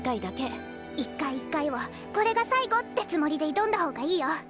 一回一回をこれが最後ってつもりで挑んだ方がいいよ。